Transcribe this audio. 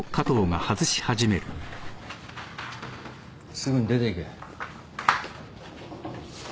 すぐに出ていけ。